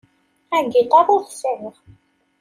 Agiṭar ur t-sεiɣ.